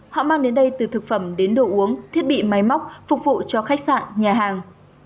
họ mang đến đây từ thực phẩm đến đồ uống thiết bị máy móc phục vụ cho khách sạn nhà hàng